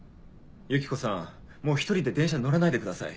ユキコさんもう１人で電車乗らないでください。